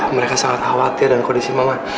mereka sangat khawatir dan kondisi mama